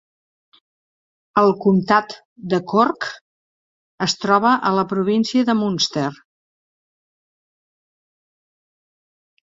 El comtat de Cork es troba a la província de Munster.